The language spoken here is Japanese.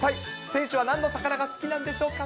選手はなんの魚が好きなんでしょうか。